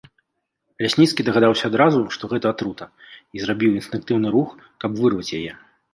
Лясніцкі дагадаўся адразу, што гэта атрута, і зрабіў інстынктыўны рух, каб вырваць яе.